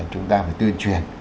chúng ta phải tuyên truyền